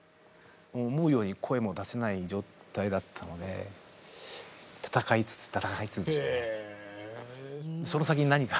思うように声も出せない状態だったので闘いつつ闘いつつでしたね。